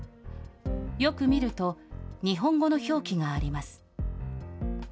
よく見ると、日本語の表記があります。